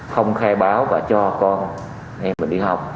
không khai báo và cho con em mình đi học